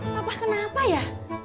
papa kenapa ya